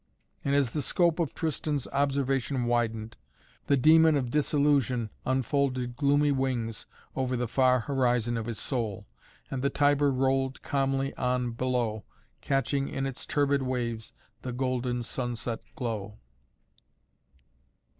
And as the scope of Tristan's observation widened, the demon of disillusion unfolded gloomy wings over the far horizon of his soul. And the Tiber rolled calmly on below, catching in its turbid waves the golden sunset glow.